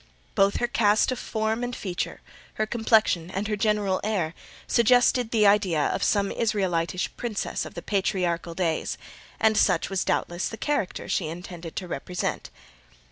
Both her cast of form and feature, her complexion and her general air, suggested the idea of some Israelitish princess of the patriarchal days; and such was doubtless the character she intended to represent.